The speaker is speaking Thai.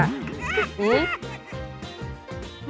หืม